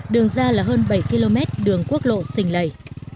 đường ra là hơn bảy km đường quốc lộ xình lầy